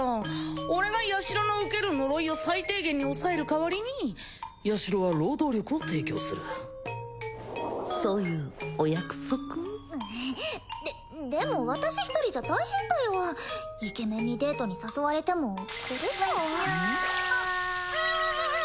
俺がヤシロの受ける呪いを最低限に抑える代わりにヤシロは労働力を提供するそういうお約束ででも私一人じゃ大変だよイケメンにデートに誘われてもこれじゃプシューうん？